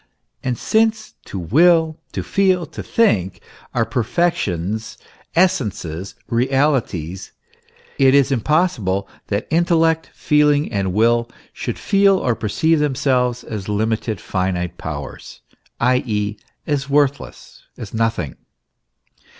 And since to will, to feel, to think, are perfections, essences, realities, it is impossible that intellect, feeling, and 6 THE ESSENCE OF CHRISTIANITY. will should feel or perceive themselves as limited, finite powers, i. e., as worthless, as nothing.